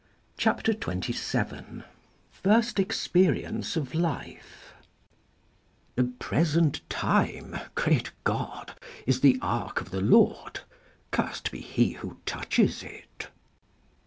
CHAPTER XXVII FIRST EXPERIENCE OF LIFE The present time, Great God ! is the ark of the Lord ; cursed be he who touches it.